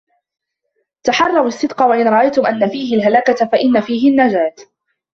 تَحَرَّوْا الصِّدْقَ وَإِنْ رَأَيْتُمْ أَنَّ فِيهِ الْهَلَكَةَ فَإِنَّ فِيهِ النَّجَاةَ